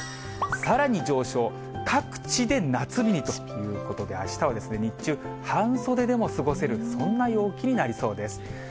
さらに上昇、各地で夏日にということで、あしたは日中、半袖でも過ごせる、そんな陽気になりそうです。